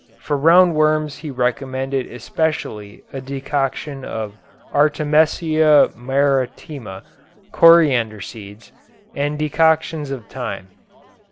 For roundworms he recommended especially a decoction of artemisia maritima, coriander seeds, and decoctions of thyme.